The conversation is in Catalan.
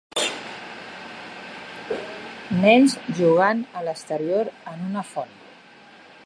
Nens jugant a l'exterior en una font.